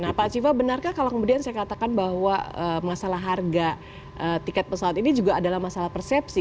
nah pak civa benarkah kalau kemudian saya katakan bahwa masalah harga tiket pesawat ini juga adalah masalah persepsi